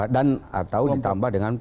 dan atau ditambah dengan